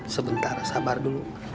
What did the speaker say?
sebentar sabar dulu